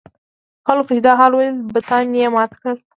خلکو چې دا حال ولید بتان یې مات کړل.